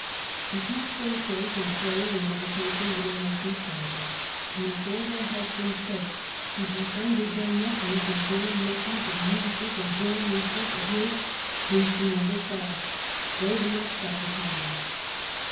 She i)assed those days in prayer and meditation with her husband's Bible ; and for her husband's sake she befriended their nepliews and grand nephews and nieces and grand nieces of his whom she never saw ; they were not suffered^ to want.